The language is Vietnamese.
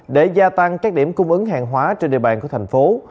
để gia tăng các điểm cung ứng hàng hóa trên địa bàn của thành phố